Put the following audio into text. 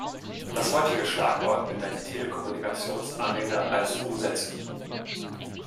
Das heutige Schlagwort in der Telekommunikationsarena heißt „Umsetzung“.